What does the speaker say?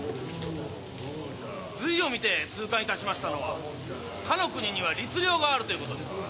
「隋を見て痛感いたしましたのはかの国には律令があるということです。